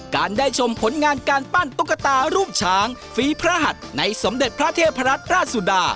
การได้ชมผลงานการปั้นตุ๊กตารูปช้างฝีพระหัสในสมเด็จพระเทพรัตนราชสุดา